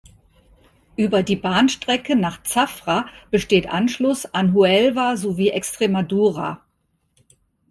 Über die Bahnstrecke nach Zafra besteht Anschluss an Huelva sowie Extremadura.